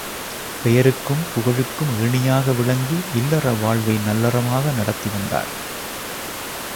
பெயருக்கும், புகழுக்கும் ஏணியாக விளங்கி இல்லற வாழ்வை நல்லறமாக நடத்தி வந்தார்.